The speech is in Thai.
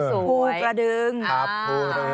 ภูกระดึงภูเรือ